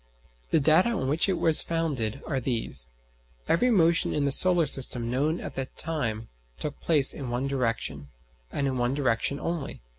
The data on which it was founded are these: Every motion in the solar system known at that time took place in one direction, and in one direction only.